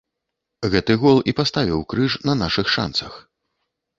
Гэты гол і паставіў крыж на нашых шанцах.